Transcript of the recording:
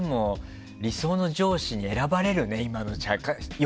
理想の上司に選ばれるね